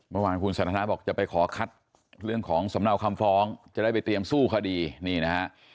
เมื่อวานคุณสันทนาบอกจะไปขอคัดเรื่องของสำเนาคำฟ้องจะได้ไปเตรียมสู้คดีนี่นะฮะ